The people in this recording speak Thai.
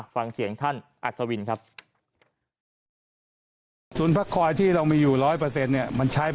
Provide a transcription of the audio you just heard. ฟังเสียงท่านอัศวินครับ